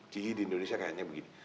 jadi di indonesia kayaknya begini